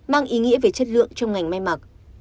mang ý nghĩa về chất lượng trong ngành may mặc